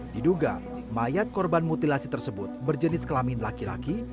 diduga mayat korban mutilasi tersebut berjenis kelamin laki laki